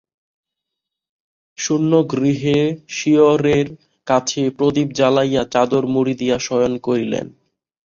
শূন্য গৃহে শিয়রের কাছে প্রদীপ জ্বালাইয়া চাদর মুড়ি দিয়া শয়ন করিলেন।